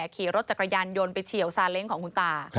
ขี่รถจักรยานยนต์ไปเฉียวซาเล้งของคุณตา